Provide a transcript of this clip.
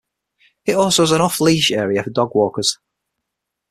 It also has an off-leash area for dog walkers.